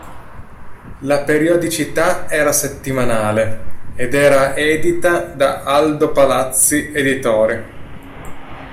La periodicità era settimanale, ed era edita da Aldo Palazzi editore.